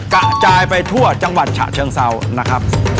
กระจายไปทั่วจังหวัดฉะเชิงเซานะครับ